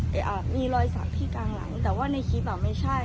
เรือมีรอยสับที่กังหลังแต่ว่าในคลิปแบบไม่ใช่